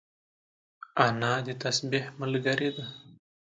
انا د تسبيح ملګرې ده